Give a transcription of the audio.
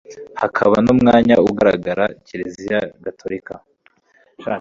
hakaba n'umwanya ugaragara kiliziya gatolika